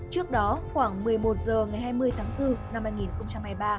trước đó khoảng một mươi một h ngày hai mươi tháng bốn năm hai nghìn hai mươi ba